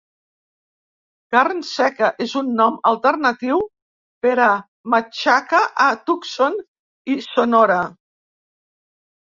"Carn seca" és un nom alternatiu per a machaca a Tucson i Sonora.